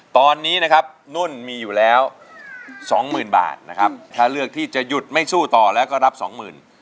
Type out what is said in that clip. ตอนนี้นะครับนุ่นมีอยู่แล้วสองหมื่นบาทนะครับถ้าเลือกที่จะหยุดไม่สู้ต่อแล้วก็รับสองหมื่น